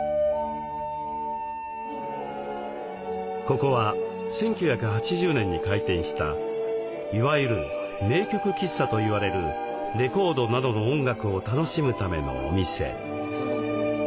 ここは１９８０年に開店したいわゆる名曲喫茶といわれるレコードなどの音楽を楽しむためのお店。